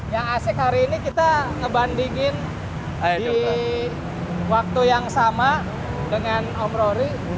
yang asik hari ini kita ngebandingin di waktu yang sama dengan om rory